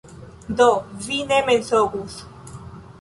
Do, vi ne mensogus.